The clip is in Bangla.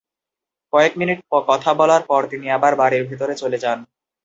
কয়েক মিনিট কথা বলার পর তিনি আবার বাড়ির ভেতরে চলে যান।